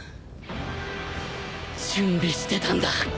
準備してたんだ。